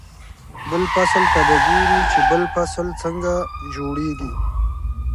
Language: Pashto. بل فصل ته به ګوري چې بل فصل څنګه جوړېږي.